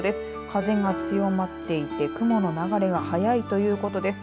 風が強まっていて雲の流れが速いということです。